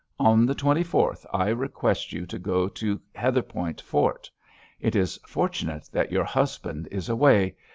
On the twenty fourth I request you to go to Heatherpoint Fort. It is fortunate that your husband is away.